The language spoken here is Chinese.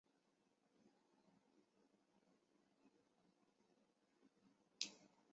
是中华人民共和国政府方面用以纪念淮海战役碾庄战斗中牺牲的革命烈士。